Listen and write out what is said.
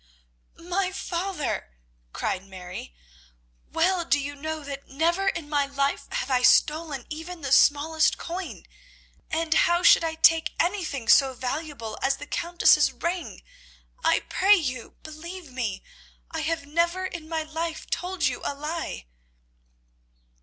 "My father," cried Mary, "well do you know that never in my life have I stolen even the smallest coin, and how should I take anything so valuable as the Countess's ring? I pray you, believe me; I have never in my life told you a lie."